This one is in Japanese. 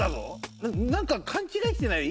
ななんか勘違いしてない！？